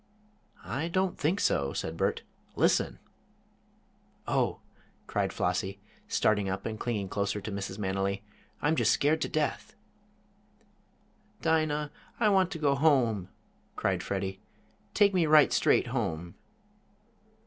"I don't think so," said Bert. "Listen!" "Oh!" cried Flossie, starting up and clinging closer to Mrs. Manily, "I'm just scared to death!" "Dinah, I want to go home," cried Freddie. "Take me right straight home."